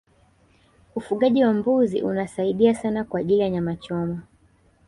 ufugaji wa mbuzi unasiadia sana kwa ajili ya nyama choma